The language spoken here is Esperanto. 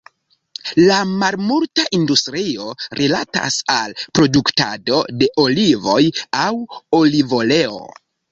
La malmulta industrio rilatas al produktado de olivoj aŭ olivoleo.